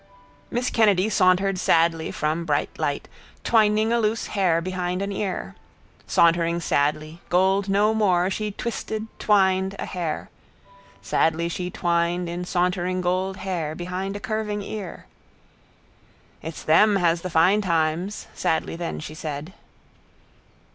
Miss Kennedy sauntered sadly from bright light, twining a loose hair behind an ear. Sauntering sadly, gold no more, she twisted twined a hair. Sadly she twined in sauntering gold hair behind a curving ear. —It's them has the fine times, sadly then she said.